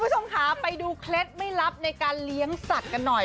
คุณผู้ชมค่ะไปดูเคล็ดไม่ลับในการเลี้ยงสัตว์กันหน่อย